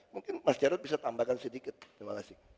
mungkin mas jarod bisa tambahkan sedikit terima kasih